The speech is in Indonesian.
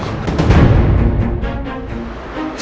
sepertinya elsa salah paham